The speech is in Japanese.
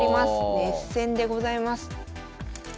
熱戦でございます。